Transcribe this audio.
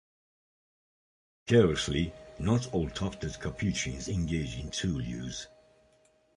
Curiously, not all tufted capuchins engage in tool use.